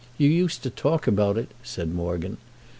You used to talk about it," said Morgan.